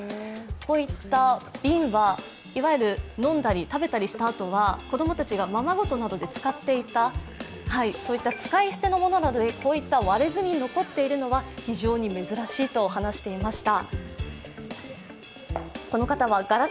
こういった瓶は、いわゆる飲んだり食べたりしたあとは子供たちがままごとなどで使っていた使い捨てのものなどが割れずに残っていたのは非常に珍しいと話していました。